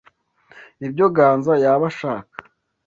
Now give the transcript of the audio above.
Nibyo Ganza yaba ashaka?